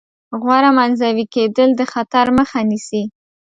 غوره منزوي کېدل د خطر مخه نیسي.